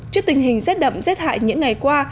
trước tình hình rét đậm rét hại những ngày qua